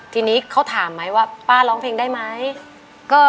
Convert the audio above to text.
ทีนี้เขาถามไหมว่าป้าร้องเพลงได้ไหม